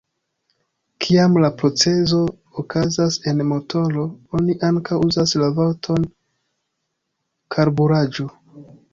Kiam la procezo okazas en motoro, oni ankaŭ uzas la vorton karburaĵo.